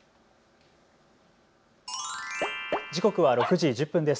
時刻は６時１０分です。